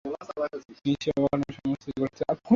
নিজস্ব অবকাঠামো সংস্থাটি গঠিত হয়েছে।